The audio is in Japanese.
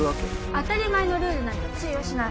・当たり前のルールなんて通用しない